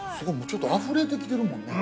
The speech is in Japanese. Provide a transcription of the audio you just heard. ちょっとあふれてきてるもんね。